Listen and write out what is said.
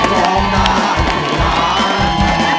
ร้องได้ให้ล้าน